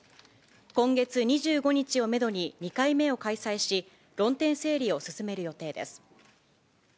今月２５日をメドに２回目を開催し、論点整理を進める予定です。